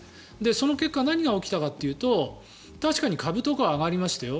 その結果、何が起きたかというと確かに株とかは上がりましたよ。